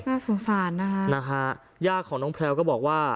น่าสงสารนะฮะนะฮะย่าของน้องแพลวก็บอกว่า